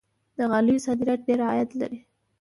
د غالیو صادرات ډیر عاید لري.